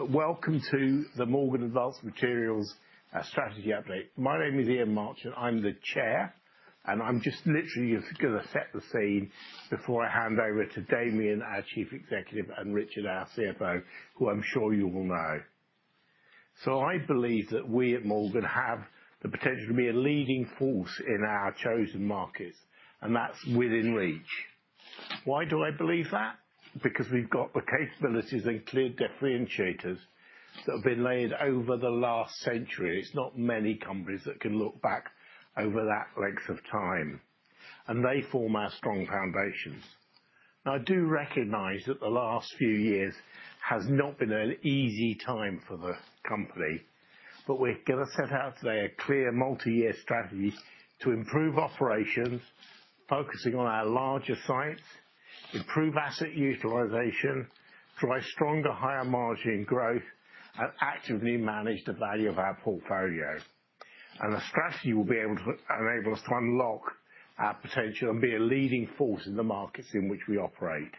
Welcome to the Morgan Advanced Materials strategy update. My name is Ian Marchant. I'm the Chair, and I'm just literally going to set the scene before I hand over to Pete, our Chief Executive, and Richard, our CFO, who I'm sure you all know. So I believe that we at Morgan have the potential to be a leading force in our chosen markets, and that's within reach. Why do I believe that? Because we've got the capabilities and clear differentiators that have been layered over the last century. It's not many companies that can look back over that length of time, and they form our strong foundations. Now, I do recognize that the last few years has not been an easy time for the company, but we're going to set out today a clear multi-year strategy to improve operations, focusing on our larger sites, improve asset utilization, drive stronger, higher margin growth, and actively manage the value of our portfolio. And the strategy will be able to enable us to unlock our potential and be a leading force in the markets in which we operate.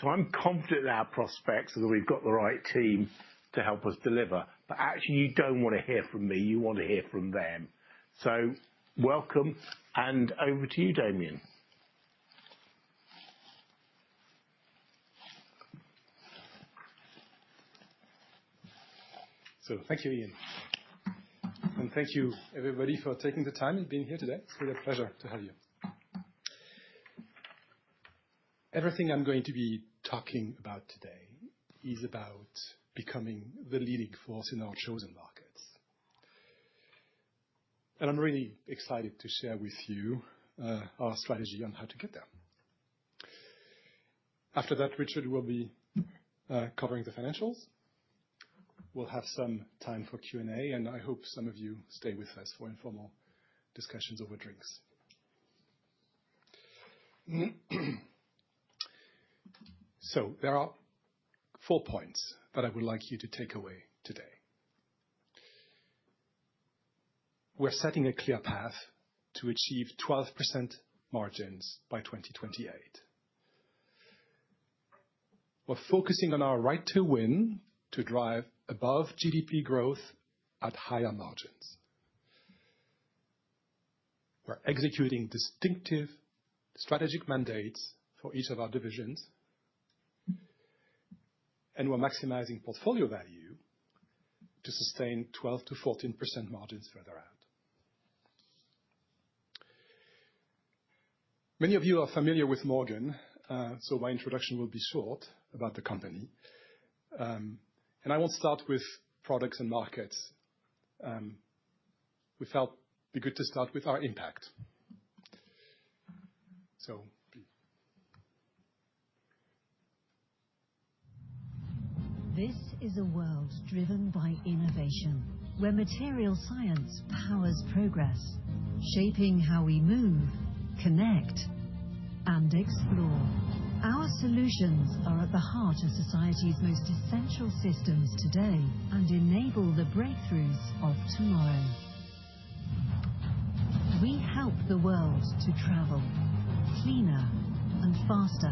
So I'm confident in our prospects that we've got the right team to help us deliver. But actually, you don't want to hear from me. You want to hear from them. So welcome, and over to you, Pete. Thank you, Ian. And thank you, everybody, for taking the time and being here today. It's been a pleasure to have you. Everything I'm going to be talking about today is about becoming the leading force in our chosen markets. And I'm really excited to share with you our strategy on how to get there. After that, Richard will be covering the financials. We'll have some time for Q&A, and I hope some of you stay with us for informal discussions over drinks. So there are four points that I would like you to take away today. We're setting a clear path to achieve 12% margins by 2028. We're focusing on our right to win to drive above GDP growth at higher margins. We're executing distinctive strategic mandates for each of our divisions, and we're maximizing portfolio value to sustain 12%-14% margins further out. Many of you are familiar with Morgan, so my introduction will be short about the company, and I won't start with products and markets. We felt it'd be good to start with our impact. So. This is a world driven by innovation, where materials science powers progress, shaping how we move, connect, and explore. Our solutions are at the heart of society's most essential systems today and enable the breakthroughs of tomorrow. We help the world to travel cleaner and faster,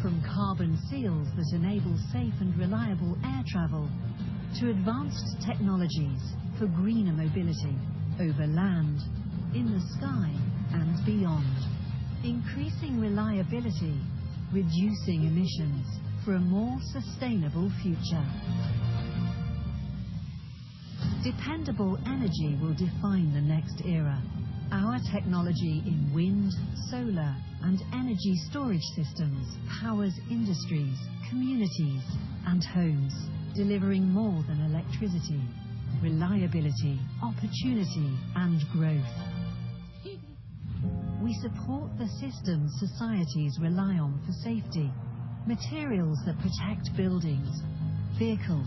from carbon seals that enable safe and reliable air travel to advanced technologies for greener mobility over land, in the sky, and beyond. Increasing reliability, reducing emissions for a more sustainable future. Dependable energy will define the next era. Our technology in wind, solar, and energy storage systems powers industries, communities, and homes, delivering more than electricity: reliability, opportunity, and growth. We support the systems societies rely on for safety: materials that protect buildings, vehicles,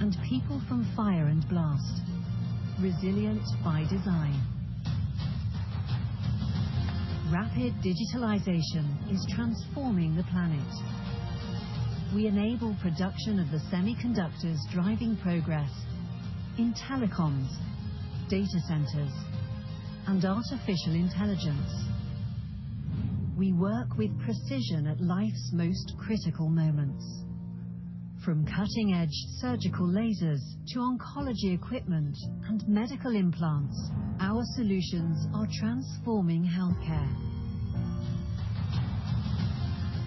and people from fire and blast, resilient by design. Rapid digitalization is transforming the planet. We enable production of the semiconductors driving progress in telecoms, data centers, and artificial intelligence. We work with precision at life's most critical moments. From cutting-edge surgical lasers to oncology equipment and medical implants, our solutions are transforming healthcare.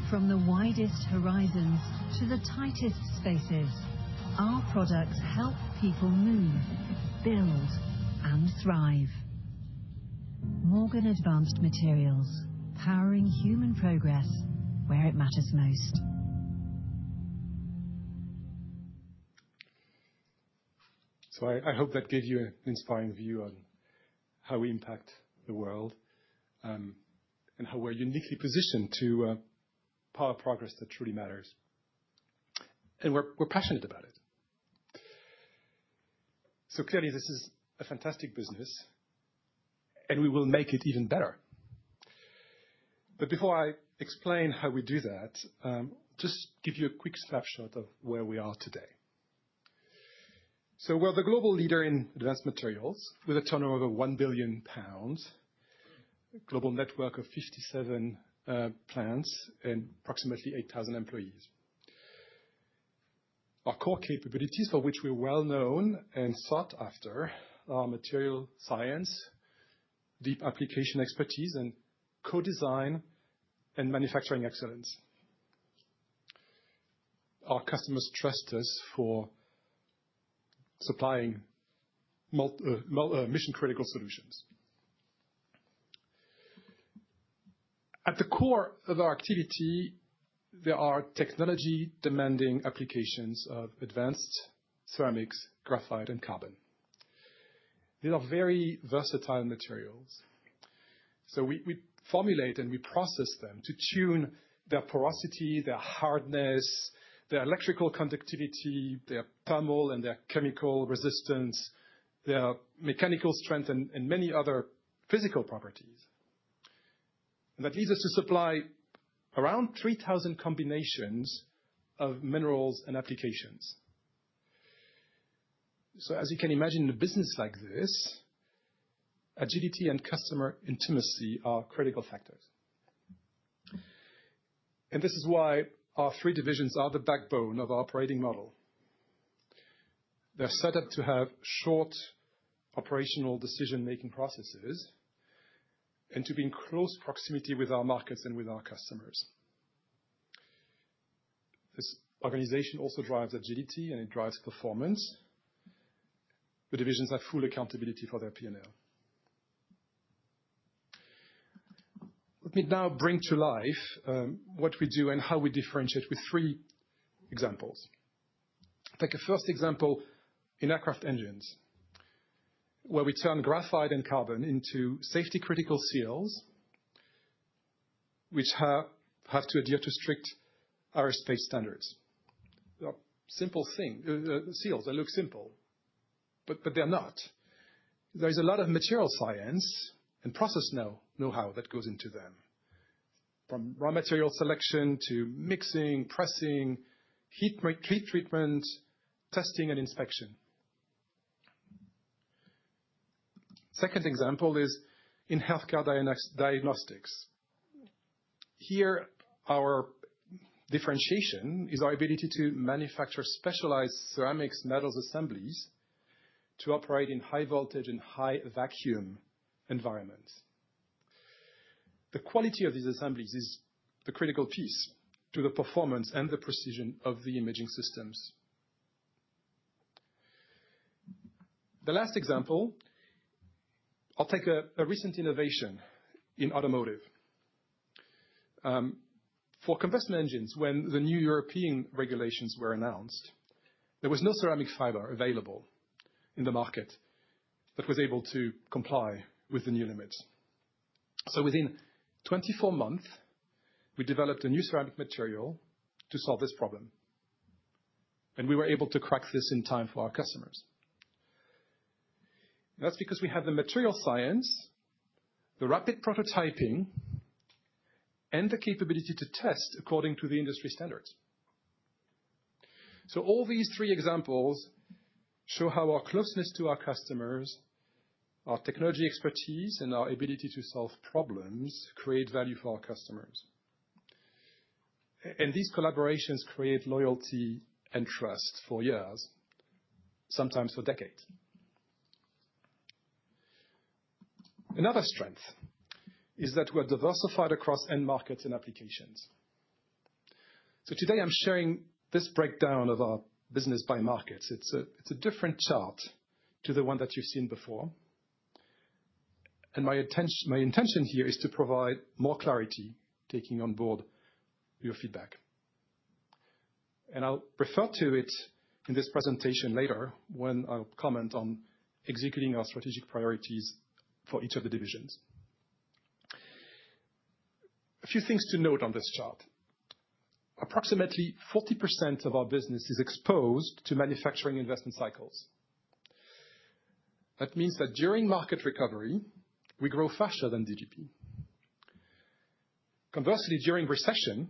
From the widest horizons to the tightest spaces, our products help people move, build, and thrive. Morgan Advanced Materials: powering human progress where it matters most. I hope that gave you an inspiring view on how we impact the world and how we're uniquely positioned to power progress that truly matters. And we're passionate about it. So clearly, this is a fantastic business, and we will make it even better. But before I explain how we do that, just give you a quick snapshot of where we are today. So we're the global leader in advanced materials with a turnover of 1 billion pounds, a global network of 57 plants, and approximately 8,000 employees. Our core capabilities, for which we're well known and sought after, are materials science, deep application expertise, and co-design and manufacturing excellence. Our customers trust us for supplying mission-critical solutions. At the core of our activity, there are technology-demanding applications of advanced ceramics, graphite, and carbon. These are very versatile materials. So we formulate and we process them to tune their porosity, their hardness, their electrical conductivity, their thermal and their chemical resistance, their mechanical strength, and many other physical properties. And that leads us to supply around 3,000 combinations of materials and applications. So as you can imagine, in a business like this, agility and customer intimacy are critical factors. And this is why our three divisions are the backbone of our operating model. They're set up to have short operational decision-making processes and to be in close proximity with our markets and with our customers. This organization also drives agility, and it drives performance. The divisions have full accountability for their P&L. Let me now bring to life what we do and how we differentiate with three examples. Take a first example in aircraft engines, where we turn graphite and carbon into safety-critical seals, which have to adhere to strict aerospace standards. They're simple things. Seals, they look simple, but they're not. There is a lot of material science and process know-how that goes into them, from raw material selection to mixing, pressing, heat treatment, testing, and inspection. The second example is in healthcare diagnostics. Here, our differentiation is our ability to manufacture specialized ceramic-to-metal assemblies to operate in high voltage and high vacuum environments. The quality of these assemblies is the critical piece to the performance and the precision of the imaging systems. The last example, I'll take a recent innovation in automotive. For compression engines, when the new European regulations were announced, there was no ceramic fiber available in the market that was able to comply with the new limits. Within 24 months, we developed a new ceramic material to solve this problem. We were able to crack this in time for our customers. That's because we have the material science, the rapid prototyping, and the capability to test according to the industry standards. All these three examples show how our closeness to our customers, our technology expertise, and our ability to solve problems create value for our customers. These collaborations create loyalty and trust for years, sometimes for decades. Another strength is that we're diversified across end markets and applications. Today, I'm sharing this breakdown of our business by markets. It's a different chart to the one that you've seen before. My intention here is to provide more clarity, taking on board your feedback. I'll refer to it in this presentation later when I'll comment on executing our strategic priorities for each of the divisions. A few things to note on this chart. Approximately 40% of our business is exposed to manufacturing investment cycles. That means that during market recovery, we grow faster than GDP. Conversely, during recession,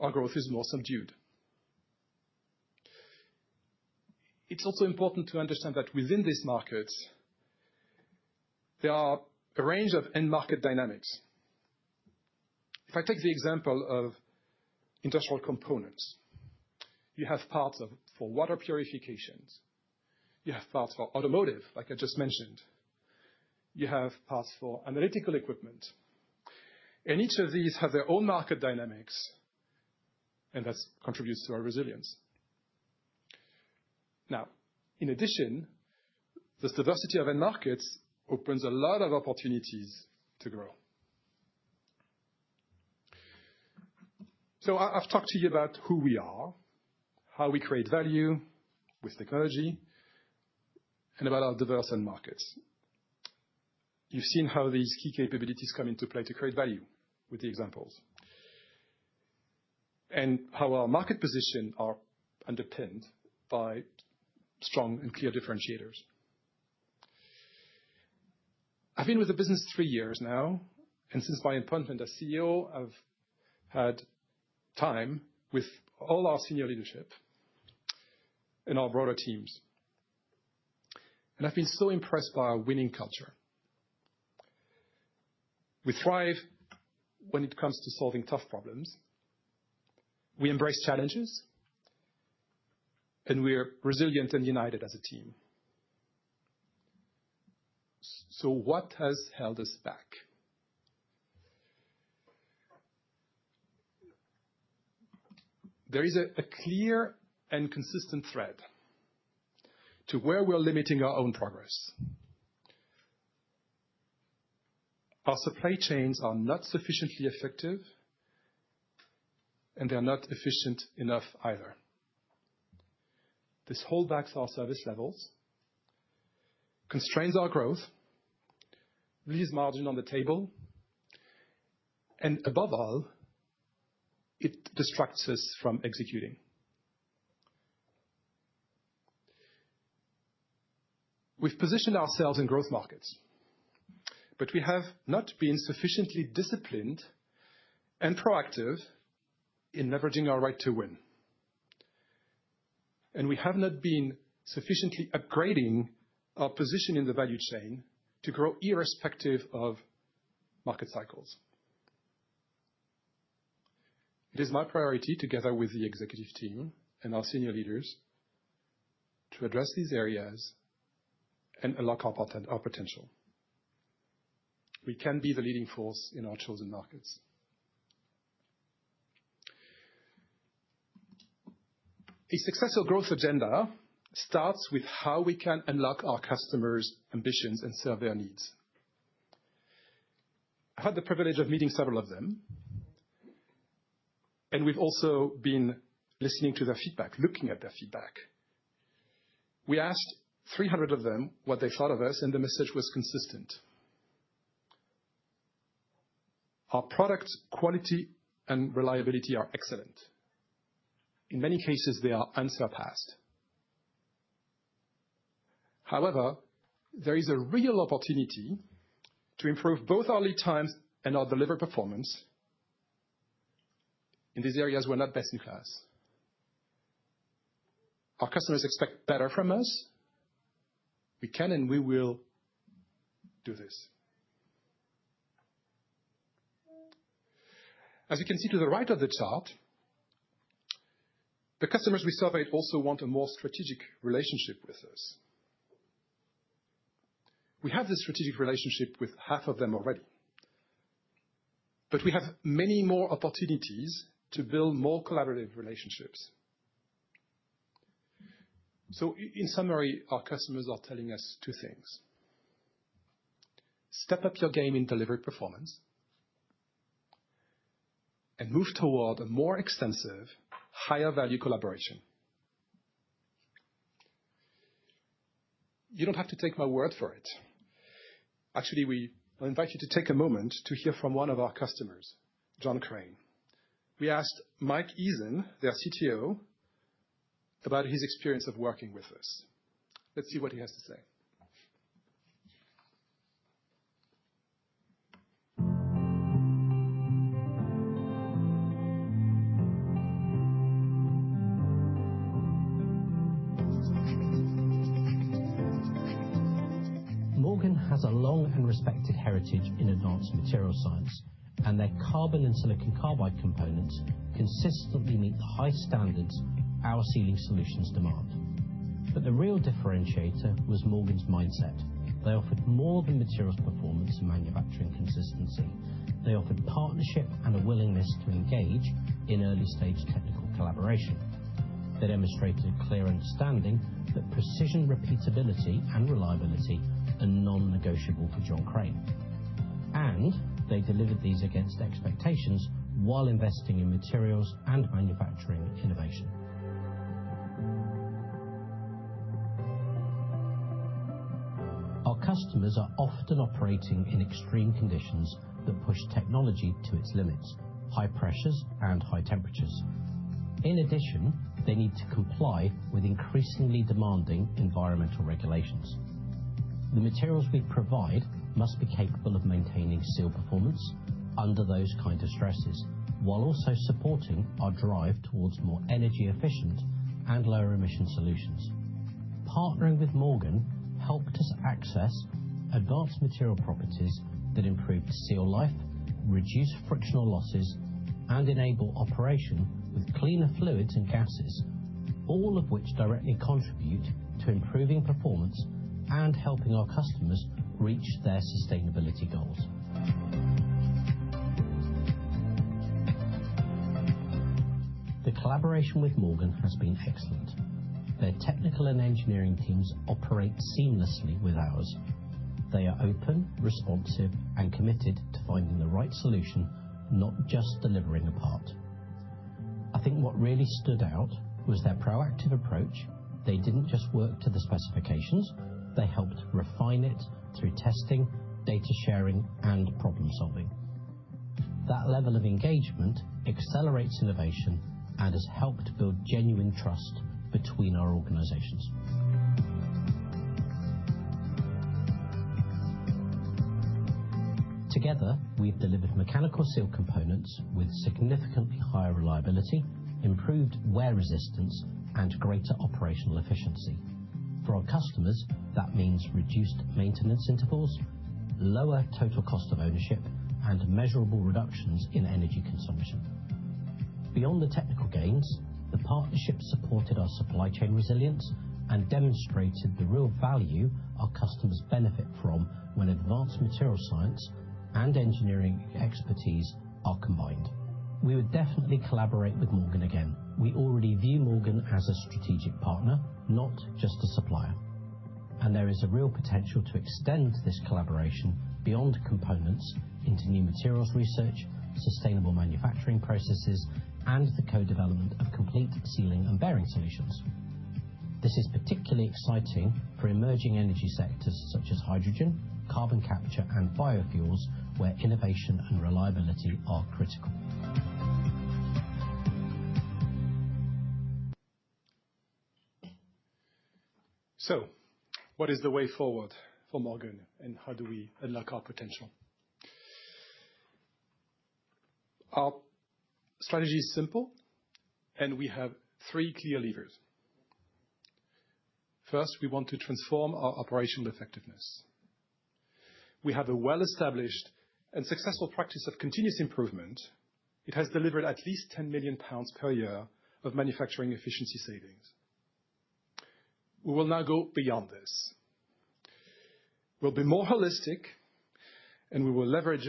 our growth is more subdued. It's also important to understand that within these markets, there are a range of end market dynamics. If I take the example of industrial components, you have parts for water purification. You have parts for automotive, like I just mentioned. You have parts for analytical equipment. Each of these has their own market dynamics, and that contributes to our resilience. Now, in addition, this diversity of end markets opens a lot of opportunities to grow. I've talked to you about who we are, how we create value with technology, and about our diverse end markets. You've seen how these key capabilities come into play to create value with the examples and how our market position is underpinned by strong and clear differentiators. I've been with the business three years now. And since my appointment as CEO, I've had time with all our senior leadership and our broader teams. And I've been so impressed by our winning culture. We thrive when it comes to solving tough problems. We embrace challenges, and we're resilient and united as a team. So what has held us back? There is a clear and consistent thread to where we're limiting our own progress. Our supply chains are not sufficiently effective, and they're not efficient enough either. This holds back our service levels, constrains our growth, leaves margin on the table, and above all, it distracts us from executing. We've positioned ourselves in growth markets, but we have not been sufficiently disciplined and proactive in leveraging our right to win, and we have not been sufficiently upgrading our position in the value chain to grow irrespective of market cycles. It is my priority, together with the executive team and our senior leaders, to address these areas and unlock our potential. We can be the leading force in our chosen markets. A successful growth agenda starts with how we can unlock our customers' ambitions and serve their needs. I've had the privilege of meeting several of them, and we've also been listening to their feedback, looking at their feedback. We asked 300 of them what they thought of us, and the message was consistent. Our product quality and reliability are excellent. In many cases, they are unsurpassed. However, there is a real opportunity to improve both our lead times and our delivered performance in these areas, we're not best in class. Our customers expect better from us. We can and we will do this. As you can see to the right of the chart, the customers we surveyed also want a more strategic relationship with us. We have this strategic relationship with half of them already, but we have many more opportunities to build more collaborative relationships. So in summary, our customers are telling us two things. Step up your game in delivered performance and move toward a more extensive, higher-value collaboration. You don't have to take my word for it. Actually, I'll invite you to take a moment to hear from one of our customers, John Crane. We asked Mike Eason, their CTO, about his experience of working with us. Let's see what he has to say. Morgan has a long and respected heritage in advanced material science, and their carbon and silicon carbide components consistently meet the high standards our sealing solutions demand. But the real differentiator was Morgan's mindset. They offered more than materials performance and manufacturing consistency. They offered partnership and a willingness to engage in early-stage technical collaboration. They demonstrated a clear understanding that precision, repeatability, and reliability are non-negotiable for John Crane. And they delivered these against expectations while investing in materials and manufacturing innovation. Our customers are often operating in extreme conditions that push technology to its limits: high pressures and high temperatures. In addition, they need to comply with increasingly demanding environmental regulations. The materials we provide must be capable of maintaining seal performance under those kinds of stresses while also supporting our drive towards more energy-efficient and lower-emission solutions. Partnering with Morgan helped us access advanced material properties that improved seal life, reduced frictional losses, and enabled operation with cleaner fluids and gases, all of which directly contribute to improving performance and helping our customers reach their sustainability goals. The collaboration with Morgan has been excellent. Their technical and engineering teams operate seamlessly with ours. They are open, responsive, and committed to finding the right solution, not just delivering a part. I think what really stood out was their proactive approach. They didn't just work to the specifications. They helped refine it through testing, data sharing, and problem-solving. That level of engagement accelerates innovation and has helped build genuine trust between our organizations. Together, we've delivered mechanical seal components with significantly higher reliability, improved wear resistance, and greater operational efficiency. For our customers, that means reduced maintenance intervals, lower total cost of ownership, and measurable reductions in energy consumption. Beyond the technical gains, the partnership supported our supply chain resilience and demonstrated the real value our customers benefit from when advanced material science and engineering expertise are combined. We would definitely collaborate with Morgan again. We already view Morgan as a strategic partner, not just a supplier. And there is a real potential to extend this collaboration beyond components into new materials research, sustainable manufacturing processes, and the co-development of complete sealing and bearing solutions. This is particularly exciting for emerging energy sectors such as hydrogen, carbon capture, and biofuels, where innovation and reliability are critical. What is the way forward for Morgan, and how do we unlock our potential? Our strategy is simple, and we have three clear levers. First, we want to transform our operational effectiveness. We have a well-established and successful practice of continuous improvement. It has delivered at least 10 million pounds per year of manufacturing efficiency savings. We will now go beyond this. We'll be more holistic, and we will leverage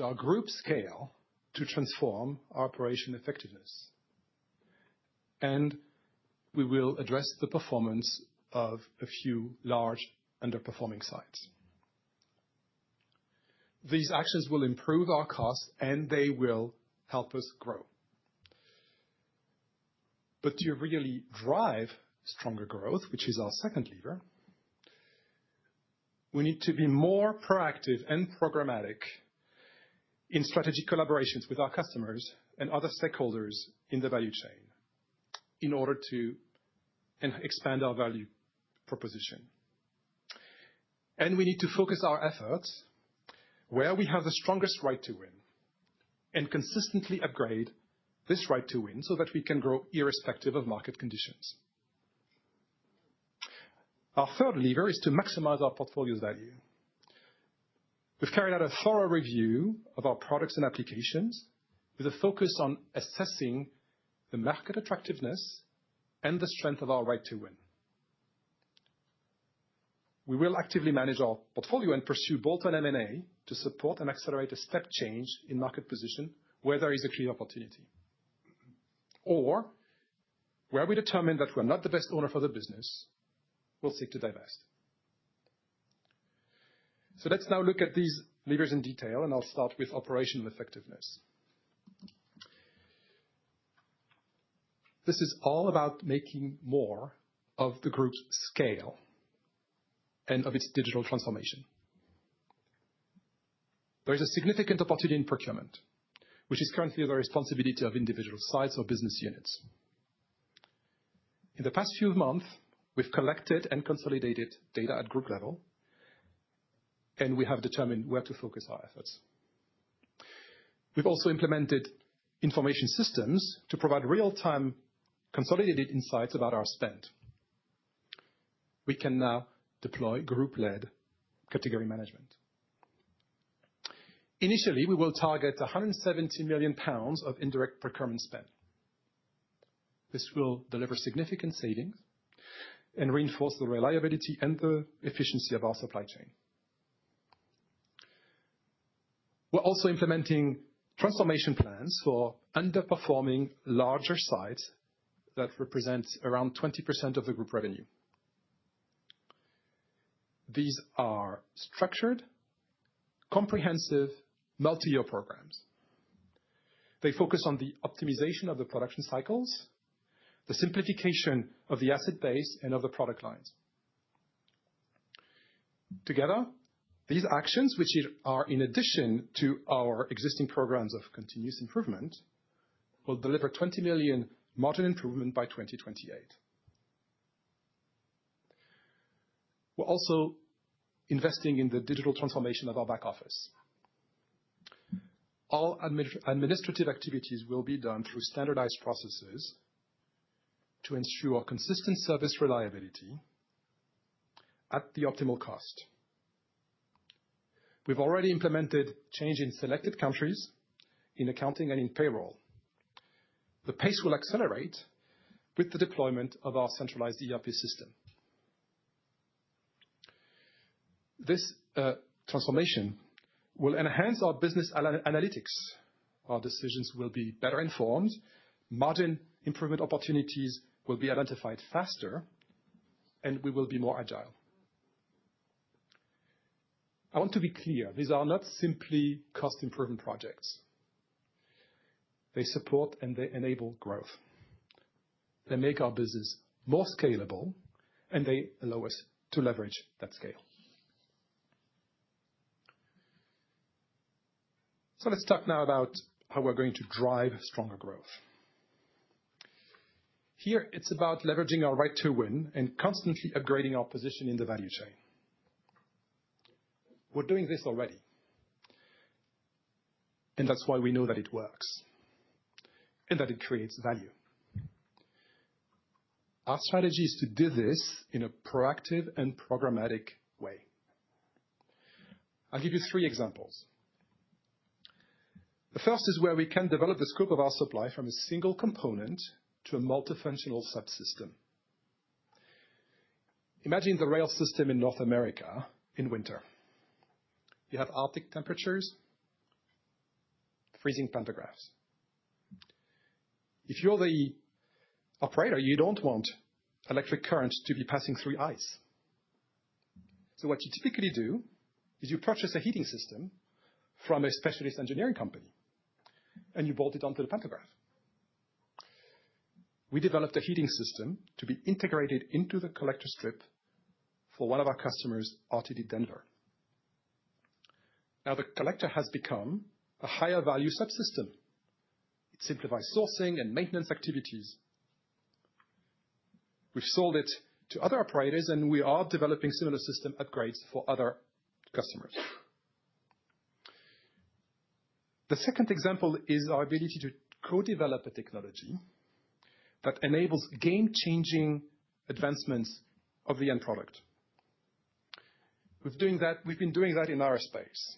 our group scale to transform our operational effectiveness. And we will address the performance of a few large underperforming sites. These actions will improve our costs, and they will help us grow. But to really drive stronger growth, which is our second lever, we need to be more proactive and programmatic in strategic collaborations with our customers and other stakeholders in the value chain in order to expand our value proposition. We need to focus our efforts where we have the strongest right to win and consistently upgrade this right to win so that we can grow irrespective of market conditions. Our third lever is to maximize our portfolio value. We've carried out a thorough review of our products and applications with a focus on assessing the market attractiveness and the strength of our right to win. We will actively manage our portfolio and pursue bolt-on M&A to support and accelerate a step change in market position where there is a clear opportunity, or where we determine that we're not the best owner for the business, we'll seek to divest. Let's now look at these levers in detail, and I'll start with operational effectiveness. This is all about making more of the group's scale and of its digital transformation. There is a significant opportunity in procurement, which is currently the responsibility of individual sites or business units. In the past few months, we've collected and consolidated data at group level, and we have determined where to focus our efforts. We've also implemented information systems to provide real-time consolidated insights about our spend. We can now deploy group-led category management. Initially, we will target 170 million pounds of indirect procurement spend. This will deliver significant savings and reinforce the reliability and the efficiency of our supply chain. We're also implementing transformation plans for underperforming larger sites that represent around 20% of the group revenue. These are structured, comprehensive multi-year programs. They focus on the optimization of the production cycles, the simplification of the asset base, and of the product lines. Together, these actions, which are in addition to our existing programs of continuous improvement, will deliver 20 million margin improvement by 2028. We're also investing in the digital transformation of our back office. All administrative activities will be done through standardized processes to ensure consistent service reliability at the optimal cost. We've already implemented change in selected countries in accounting and in payroll. The pace will accelerate with the deployment of our centralized ERP system. This transformation will enhance our business analytics. Our decisions will be better informed. Margin improvement opportunities will be identified faster, and we will be more agile. I want to be clear. These are not simply cost-improvement projects. They support and they enable growth. They make our business more scalable, and they allow us to leverage that scale. So let's talk now about how we're going to drive stronger growth. Here, it's about leveraging our right to win and constantly upgrading our position in the value chain. We're doing this already, and that's why we know that it works and that it creates value. Our strategy is to do this in a proactive and programmatic way. I'll give you three examples. The first is where we can develop the scope of our supply from a single component to a multifunctional subsystem. Imagine the rail system in North America in winter. You have Arctic temperatures, freezing pantographs. If you're the operator, you don't want electric current to be passing through ice. So what you typically do is you purchase a heating system from a specialist engineering company, and you bolt it onto the pantograph. We developed a heating system to be integrated into the collector strip for one of our customers, RTD Denver. Now, the collector has become a higher-value subsystem. It simplifies sourcing and maintenance activities. We've sold it to other operators, and we are developing similar system upgrades for other customers. The second example is our ability to co-develop a technology that enables game-changing advancements of the end product. We've been doing that in aerospace,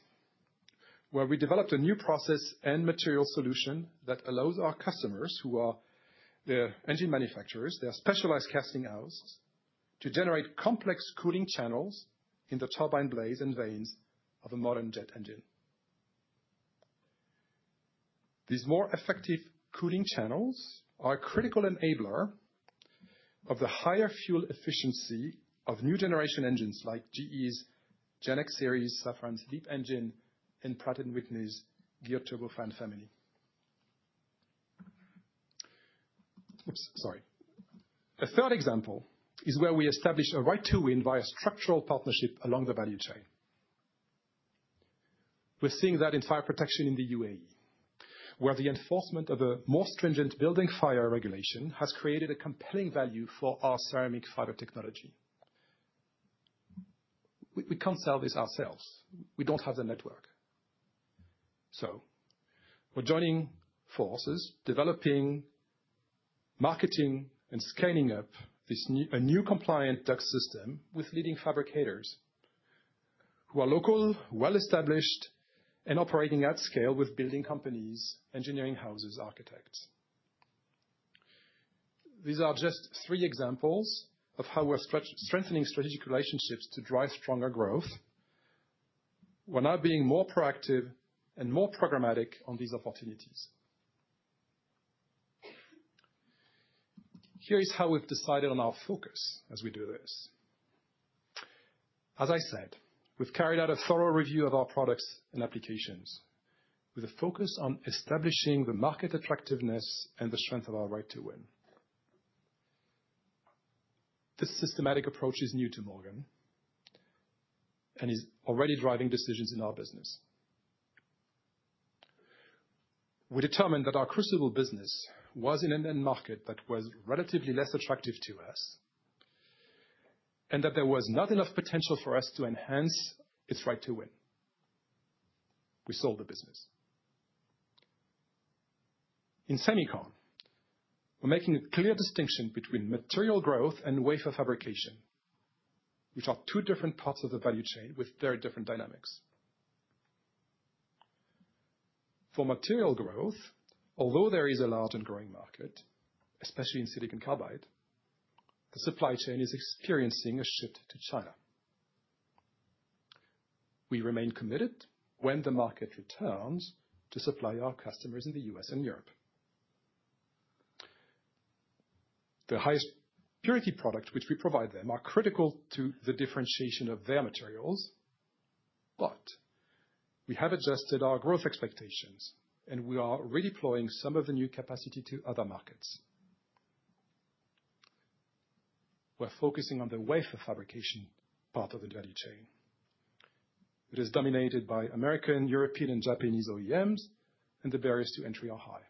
where we developed a new process and material solution that allows our customers, who are engine manufacturers, their specialized casting houses, to generate complex cooling channels in the turbine blades and vanes of a modern jet engine. These more effective cooling channels are a critical enabler of the higher fuel efficiency of new generation engines like GE's GEnx series, Safran's LEAP engine, and Pratt & Whitney's Geared Turbofan family. Oops, sorry. The third example is where we establish a right to win via structural partnership along the value chain. We're seeing that in fire protection in the UAE, where the enforcement of a more stringent building fire regulation has created a compelling value for our ceramic fiber technology. We can't sell this ourselves. We don't have the network. So we're joining forces, developing, marketing, and scaling up a new compliant duct system with leading fabricators who are local, well-established, and operating at scale with building companies, engineering houses, architects. These are just three examples of how we're strengthening strategic relationships to drive stronger growth. We're now being more proactive and more programmatic on these opportunities. Here is how we've decided on our focus as we do this. As I said, and that there was not enough potential for us to enhance its right to win. We sold the business. In semiconductors, we're making a clear distinction between material growth and wafer fabrication, which are two different parts of the value chain with very different dynamics. For material growth, although there is a large and growing market, especially in silicon carbide, the supply chain is experiencing a shift to China. We remain committed when the market returns to supply our customers in the U.S. and Europe. The highest purity products which we provide them are critical to the differentiation of their materials, but we have adjusted our growth expectations, and we are redeploying some of the new capacity to other markets. We're focusing on the wafer fabrication part of the value chain. It is dominated by American, European, and Japanese OEMs, and the barriers to entry are high.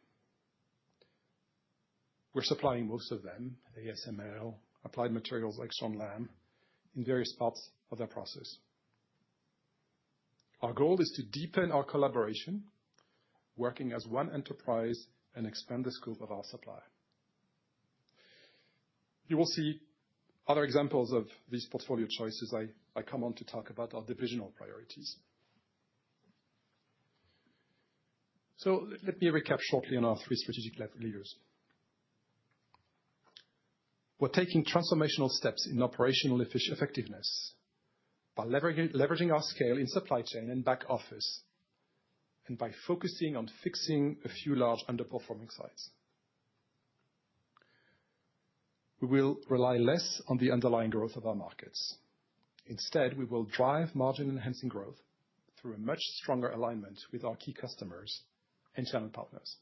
We're supplying most of them, ASML, Applied Materials, Axcelis, in various parts of their process. Our goal is to deepen our collaboration, working as one enterprise, and expand the scope of our supply. You will see other examples of these portfolio choices. I come on to talk about our divisional priorities. So let me recap shortly on our three strategic levers. We're taking transformational steps in operational effectiveness by leveraging our scale in supply chain and back office, and by focusing on fixing a few large underperforming sites. We will rely less on the underlying growth of our markets. Instead, we will drive margin-enhancing growth through a much stronger alignment with our key customers and channel partners.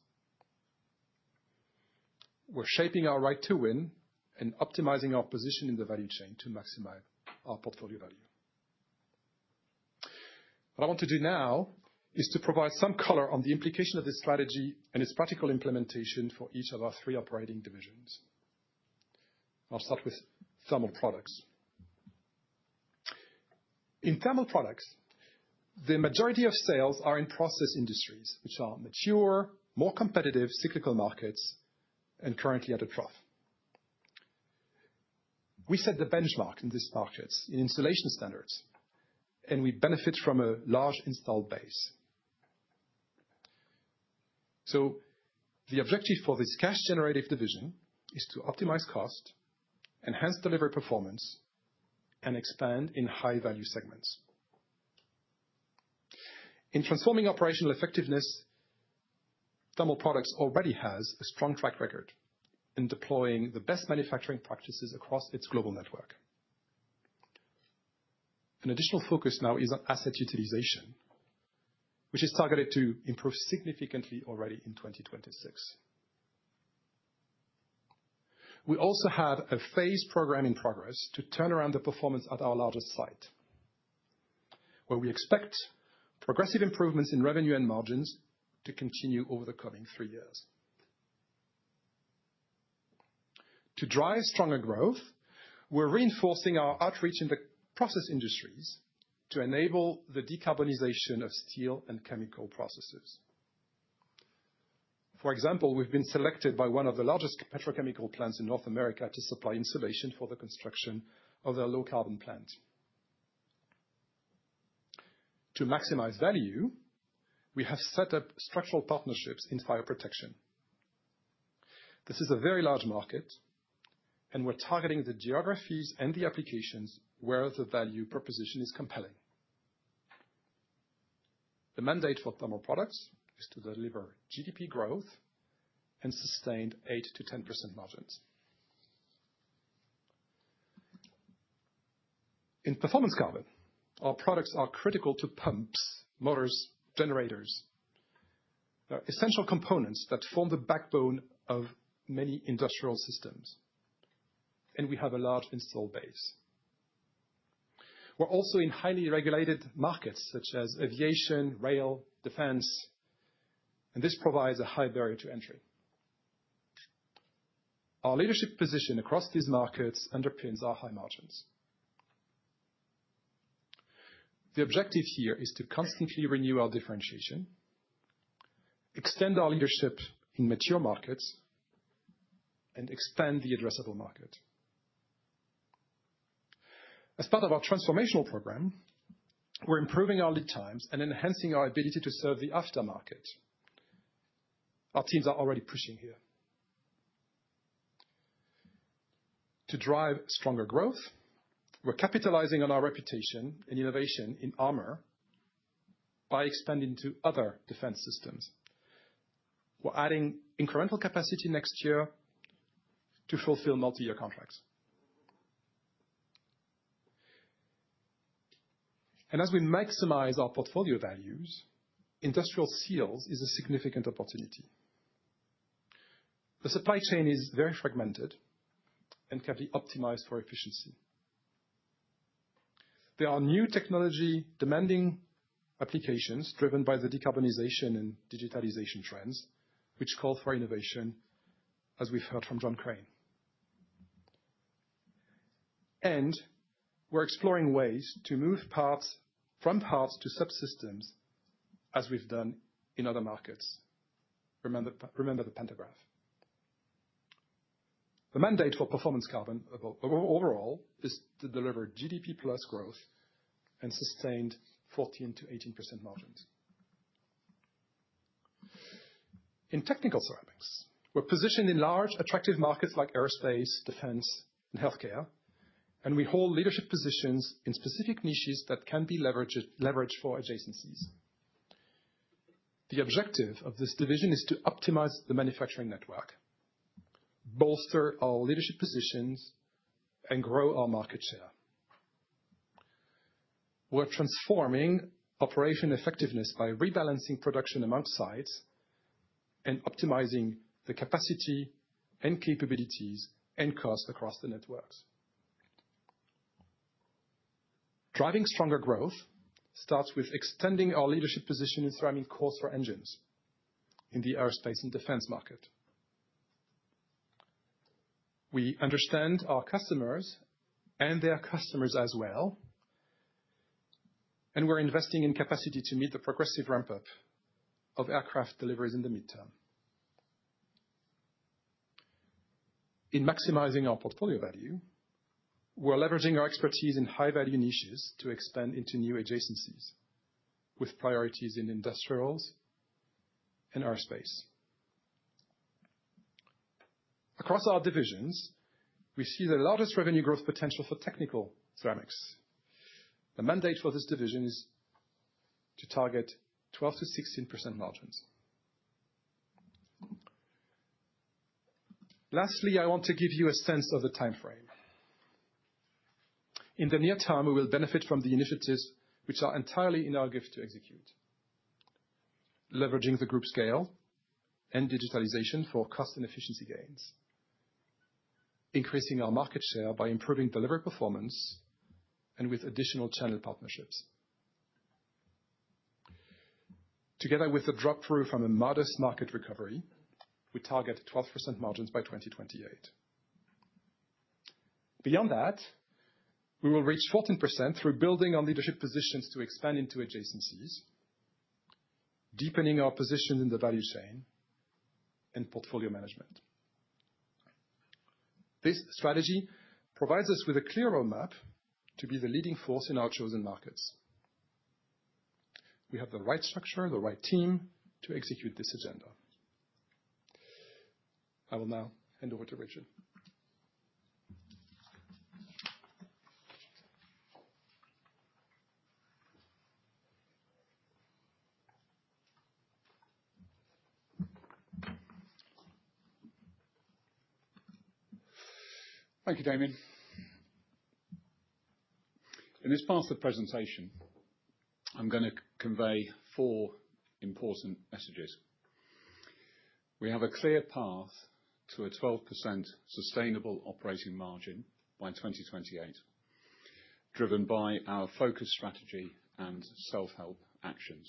We're shaping our right to win and optimizing our position in the value chain to maximize our portfolio value. What I want to do now is to provide some color on the implication of this strategy and its practical implementation for each of our three operating divisions. I'll start with Thermal Products. In Thermal Products, the majority of sales are in process industries, which are mature, more competitive cyclical markets, and currently at a trough. We set the benchmark in these markets in insulation standards, and we benefit from a large installed base. So the objective for this cash-generative division is to optimize cost, enhance delivery performance, and expand in high-value segments. In transforming operational effectiveness, Thermal Products already have a strong track record in deploying the best manufacturing practices across its global network. An additional focus now is on asset utilization, which is targeted to improve significantly already in 2026. We also have a phased program in progress to turn around the performance at our largest site, where we expect progressive improvements in revenue and margins to continue over the coming three years. To drive stronger growth, we're reinforcing our outreach in the process industries to enable the decarbonization of steel and chemical processes. For example, we've been selected by one of the largest petrochemical plants in North America to supply insulation for the construction of their low-carbon plant. To maximize value, we have set up structural partnerships in fire protection. This is a very large market, and we're targeting the geographies and the applications where the value proposition is compelling. The mandate for Thermal Products is to deliver GDP growth and sustained 8%-10% margins. In Performance Carbon, our products are critical to pumps, motors, generators. They're essential components that form the backbone of many industrial systems, and we have a large installed base. We're also in highly regulated markets such as aviation, rail, defense, and this provides a high barrier to entry. Our leadership position across these markets underpins our high margins. The objective here is to constantly renew our differentiation, extend our leadership in mature markets, and expand the addressable market. As part of our transformational program, we're improving our lead times and enhancing our ability to serve the aftermarket. Our teams are already pushing here. To drive stronger growth, we're capitalizing on our reputation and innovation in armor by expanding to other defense systems. We're adding incremental capacity next year to fulfill multi-year contracts. As we maximize our portfolio values, industrial seals is a significant opportunity. The supply chain is very fragmented and can be optimized for efficiency. There are new technology-demanding applications driven by the decarbonization and digitalization trends, which call for innovation, as we've heard from John Crane. We're exploring ways to move parts from parts to subsystems, as we've done in other markets. Remember the pantograph. The mandate for Performance Carbon overall is to deliver GDP-plus growth and sustained 14%-18% margins. In Technical Ceramics, we're positioned in large, attractive markets like aerospace, defense, and healthcare, and we hold leadership positions in specific niches that can be leveraged for adjacencies. The objective of this division is to optimize the manufacturing network, bolster our leadership positions, and grow our market share. We're transforming operational effectiveness by rebalancing production among sites and optimizing the capacity and capabilities and costs across the networks. Driving stronger growth starts with extending our leadership position in ceramic cores for engines in the aerospace and defense market. We understand our customers and their customers as well, and we're investing in capacity to meet the progressive ramp-up of aircraft deliveries in the medium term. In maximizing our portfolio value, we're leveraging our expertise in high-value niches to expand into new adjacencies with priorities in industrials and aerospace. Across our divisions, we see the largest revenue growth potential for Technical Ceramics. The mandate for this division is to target 12%-16% margins. Lastly, I want to give you a sense of the timeframe. In the near term, we will benefit from the initiatives which are entirely in our gift to execute, leveraging the group scale and digitalization for cost and efficiency gains, increasing our market share by improving delivery performance and with additional channel partnerships. Together with the drop-through from a modest market recovery, we target 12% margins by 2028. Beyond that, we will reach 14% through building on leadership positions to expand into adjacencies, deepening our position in the value chain and portfolio management. This strategy provides us with a clear roadmap to be the leading force in our chosen markets. We have the right structure, the right team to execute this agenda. I will now hand over to Richard. Thank you, Pete. In this part of the presentation, I'm going to convey four important messages. We have a clear path to a 12% sustainable operating margin by 2028, driven by our focus strategy and self-help actions.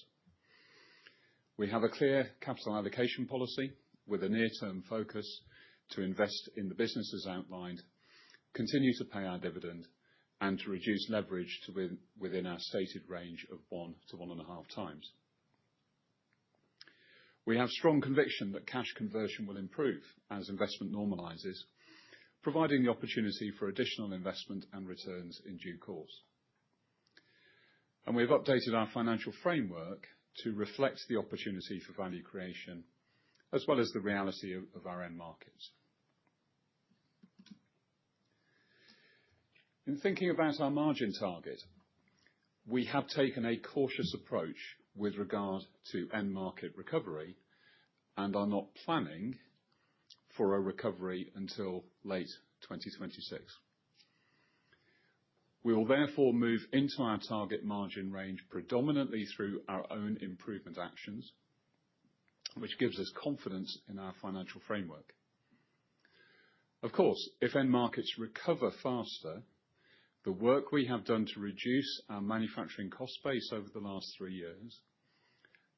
We have a clear capital allocation policy with a near-term focus to invest in the businesses outlined, continue to pay our dividend, and to reduce leverage to within our stated range of one to one and a half times. We have strong conviction that cash conversion will improve as investment normalizes, providing the opportunity for additional investment and returns in due course, and we have updated our financial framework to reflect the opportunity for value creation as well as the reality of our end markets. In thinking about our margin target, we have taken a cautious approach with regard to end market recovery and are not planning for a recovery until late 2026. We will therefore move into our target margin range predominantly through our own improvement actions, which gives us confidence in our financial framework. Of course, if end markets recover faster, the work we have done to reduce our manufacturing cost base over the last three years,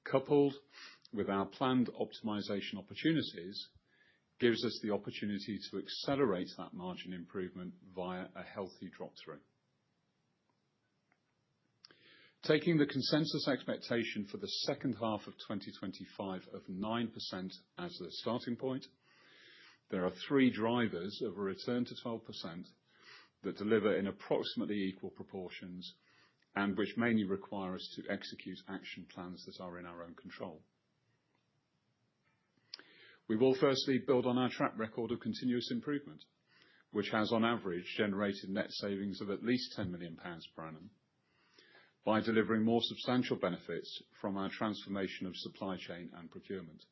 coupled with our planned optimization opportunities, gives us the opportunity to accelerate that margin improvement via a healthy drop-through. Taking the consensus expectation for the second half of 2025 of 9% as the starting point, there are three drivers of a return to 12% that deliver in approximately equal proportions and which mainly require us to execute action plans that are in our own control. We will firstly build on our track record of continuous improvement, which has on average generated net savings of at least 10 million pounds per annum by delivering more substantial benefits from our transformation of supply chain and procurement.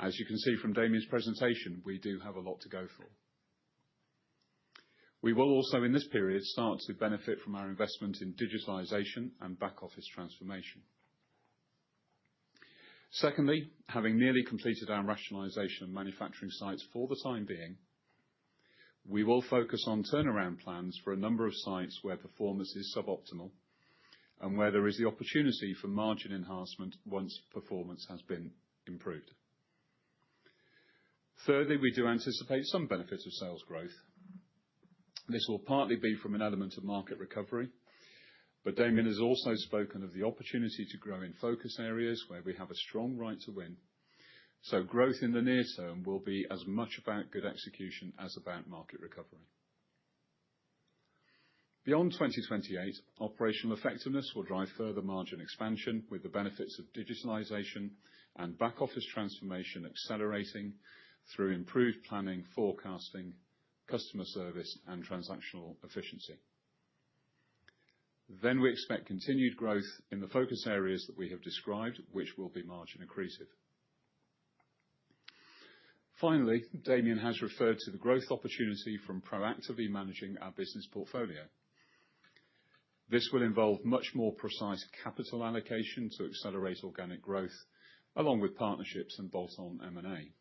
As you can see from Pete's presentation, we do have a lot to go for. We will also in this period start to benefit from our investment in digitalization and back office transformation. Secondly, having nearly completed our rationalization of manufacturing sites for the time being, we will focus on turnaround plans for a number of sites where performance is suboptimal and where there is the opportunity for margin enhancement once performance has been improved. Thirdly, we do anticipate some benefit of sales growth. This will partly be from an element of market recovery, but Pete has also spoken of the opportunity to grow in focus areas where we have a strong right to win, so growth in the near term will be as much about good execution as about market recovery. Beyond 2028, operational effectiveness will drive further margin expansion with the benefits of digitalization and back office transformation accelerating through improved planning, forecasting, customer service, and transactional efficiency. Then we expect continued growth in the focus areas that we have described, which will be margin accretive. Finally, Pete has referred to the growth opportunity from proactively managing our business portfolio. This will involve much more precise capital allocation to accelerate organic growth along with partnerships and bolt-on M&A.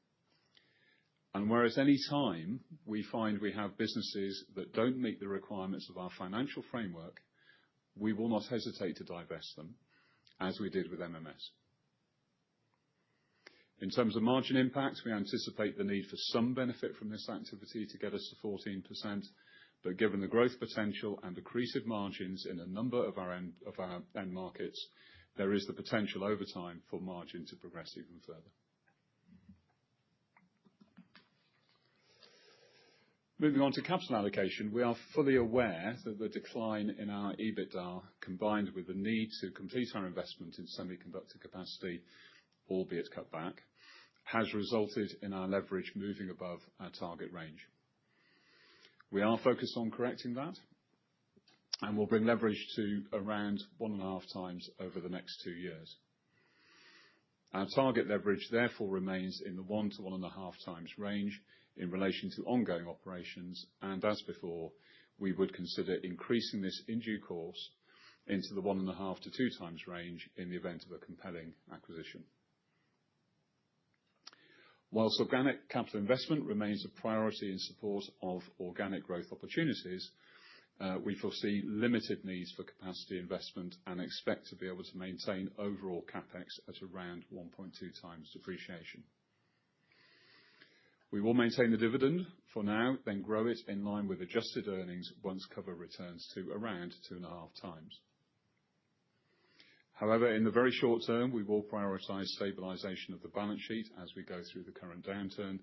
And whereas any time we find we have businesses that don't meet the requirements of our financial framework, we will not hesitate to divest them as we did with CDS. In terms of margin impact, we anticipate the need for some benefit from this activity to get us to 14%, but given the growth potential and accretive margins in a number of our end markets, there is the potential over time for margin to progress even further. Moving on to capital allocation, we are fully aware that the decline in our EBITDA combined with the need to complete our investment in semiconductor capacity, albeit cut back, has resulted in our leverage moving above our target range. We are focused on correcting that and will bring leverage to around one and a half times over the next two years. Our target leverage therefore remains in the one to one and a half times range in relation to ongoing operations, and as before, we would consider increasing this in due course into the one and a half to two times range in the event of a compelling acquisition. While organic capital investment remains a priority in support of organic growth opportunities, we foresee limited needs for capacity investment and expect to be able to maintain overall CapEx at around 1.2 times depreciation. We will maintain the dividend for now, then grow it in line with adjusted earnings once cover returns to around two and a half times. However, in the very short term, we will prioritize stabilization of the balance sheet as we go through the current downturn,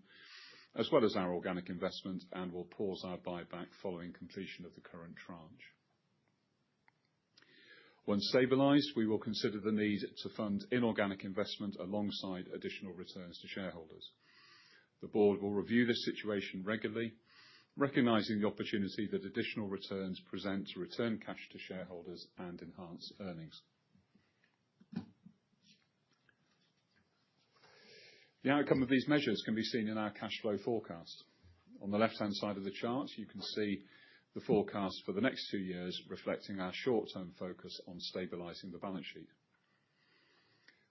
as well as our organic investment, and will pause our buyback following completion of the current tranche. Once stabilized, we will consider the need to fund inorganic investment alongside additional returns to shareholders. The board will review this situation regularly, recognizing the opportunity that additional returns present to return cash to shareholders and enhance earnings. The outcome of these measures can be seen in our cash flow forecast. On the left-hand side of the chart, you can see the forecast for the next two years reflecting our short-term focus on stabilizing the balance sheet.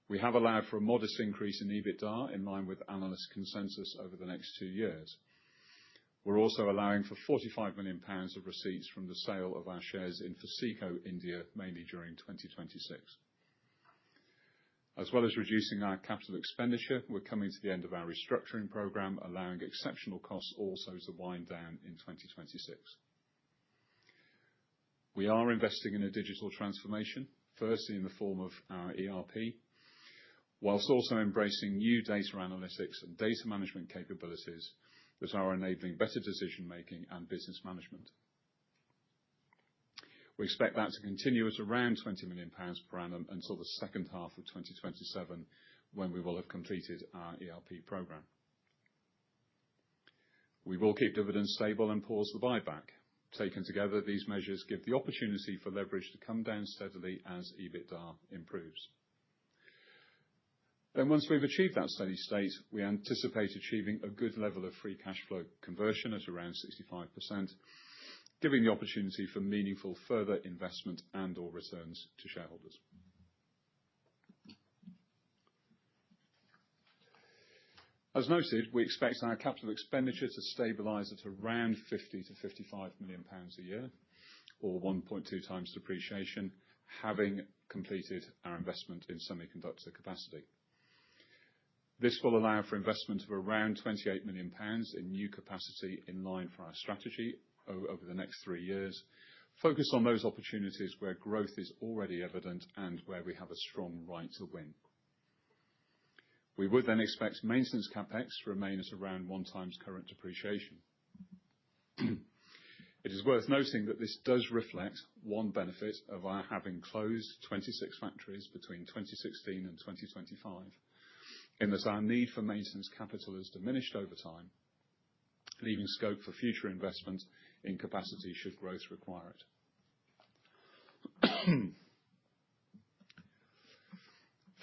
We have allowed for a modest increase in EBITDA in line with analyst consensus over the next two years. We're also allowing for 45 million pounds of receipts from the sale of our shares in Foseco India, mainly during 2026. As well as reducing our capital expenditure, we're coming to the end of our restructuring program, allowing exceptional costs also to wind down in 2026. We are investing in a digital transformation, first in the form of our ERP, while also embracing new data analytics and data management capabilities that are enabling better decision-making and business management. We expect that to continue at around 20 million pounds per annum until the second half of 2027 when we will have completed our ERP program. We will keep dividends stable and pause the buyback. Taken together, these measures give the opportunity for leverage to come down steadily as EBITDA improves. Then, once we've achieved that steady state, we anticipate achieving a good level of free cash flow conversion at around 65%, giving the opportunity for meaningful further investment and/or returns to shareholders. As noted, we expect our capital expenditure to stabilize at around 50-55 million pounds a year, or 1.2 times depreciation, having completed our investment in semiconductor capacity. This will allow for investment of around 28 million pounds in new capacity in line for our strategy over the next three years, focused on those opportunities where growth is already evident and where we have a strong right to win. We would then expect maintenance CapEx to remain at around one times current depreciation. It is worth noting that this does reflect one benefit of our having closed 26 factories between 2016 and 2025, in that our need for maintenance capital has diminished over time, leaving scope for future investment in capacity should growth require it.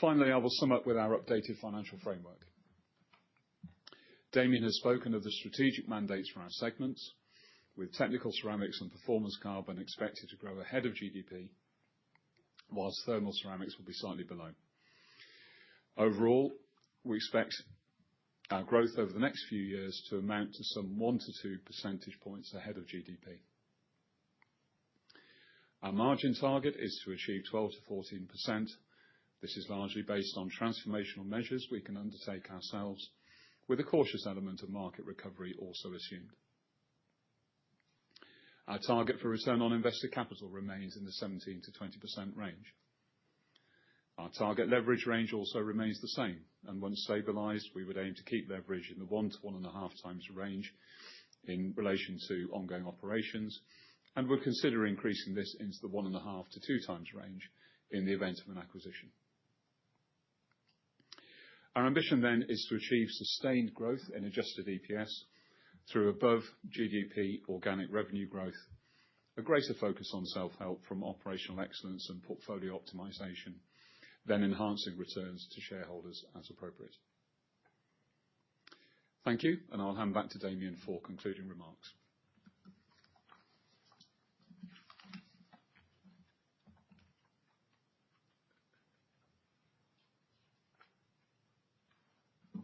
Finally, I will sum up with our updated financial framework. Pete has spoken of the strategic mandates for our segments, with Technical Ceramics and Performance Carbon expected to grow ahead of GDP, while Thermal Ceramics will be slightly below. Overall, we expect our growth over the next few years to amount to some one to two percentage points ahead of GDP. Our margin target is to achieve 12%-14%. This is largely based on transformational measures we can undertake ourselves, with a cautious element of market recovery also assumed. Our target for return on invested capital remains in the 17%-20% range. Our target leverage range also remains the same, and once stabilized, we would aim to keep leverage in the one to one and a half times range in relation to ongoing operations, and we'll consider increasing this into the one and a half to two times range in the event of an acquisition. Our ambition then is to achieve sustained growth in adjusted EPS through above GDP organic revenue growth, a greater focus on self-help from operational excellence and portfolio optimization, then enhancing returns to shareholders as appropriate. Thank you, and I'll hand back to Pete for concluding remarks.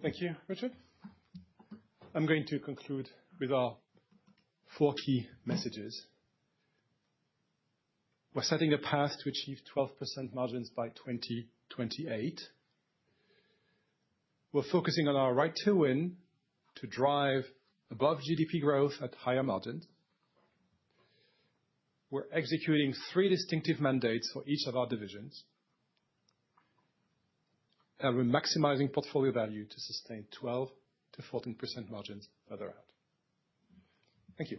Thank you, Richard. I'm going to conclude with our four key messages. We're setting a path to achieve 12% margins by 2028. We're focusing on our right to win to drive above GDP growth at higher margins. We're executing three distinctive mandates for each of our divisions, and we're maximizing portfolio value to sustain 12%-14% margins further out. Thank you.